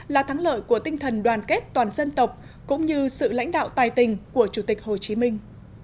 là thắng lợi của tinh thần đoàn kết toàn dân tộc cũng như sự lãnh đạo tài tình của chủ tịch hồ chí minh